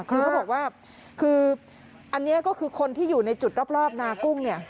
คือเขาบอกว่าคืออันนี้ก็คือคนที่อยู่ในจุดรอบนากุ้งเนี่ย